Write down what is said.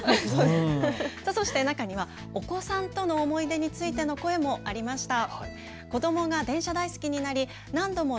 中にはお子さんとの思い出に関する声もありました。